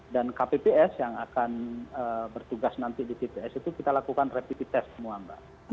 dan kpps yang akan bertugas nanti di pps itu kita lakukan rapid test semua mbak